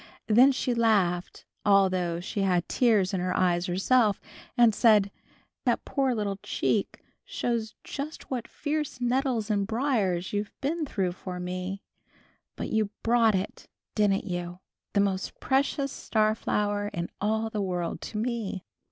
Then she laughed, although she had tears in her eyes herself, and said, "That poor little cheek shows just what fierce nettles and briars you've been through for me, but you brought it, didn't you! The most precious star flower in all the world to me!"